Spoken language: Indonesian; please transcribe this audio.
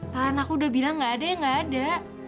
tan aku udah bilang nggak ada ya nggak ada